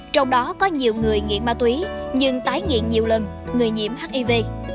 trong đó có nhiều người nghiện ma túy nhưng tái nghiện nhiều lần người nhiễm hiv